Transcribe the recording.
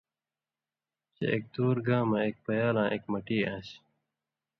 چے اک دُور گاں مہ ایک پیال آں ایک مٹی آن٘سیۡ۔